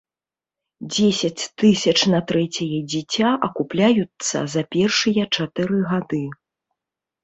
Дзесяць тысяч на трэцяе дзіця акупляюцца за першыя чатыры гады.